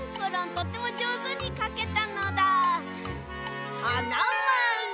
とってもじょうずにかけたのだ。はなまる。